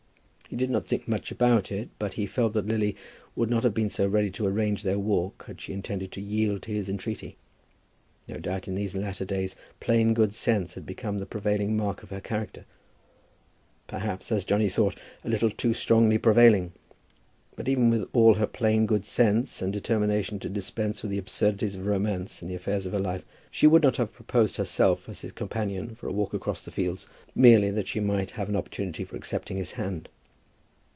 He did not think much about it, but he felt that Lily would not have been so ready to arrange their walk had she intended to yield to his entreaty. No doubt in these latter days plain good sense had become the prevailing mark of her character, perhaps, as Johnny thought, a little too strongly prevailing; but even with all her plain good sense and determination to dispense with the absurdities of romance in the affairs of her life, she would not have proposed herself as his companion for a walk across the fields merely that she might have an opportunity of accepting his hand.